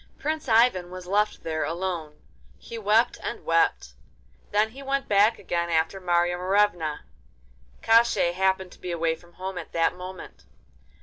Prince Ivan was left there alone. He wept and wept; then he went back again after Marya Morevna. Koshchei happened to be away from home at that moment.